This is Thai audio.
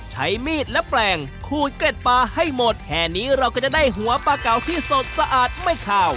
ใช้มีดและแปลงขูดเกร็ดปลาให้หมดแค่นี้เราก็จะได้หัวปลาเก่าที่สดสะอาดไม่ขาว